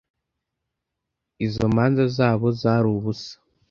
Izo manza zabo zari ubusa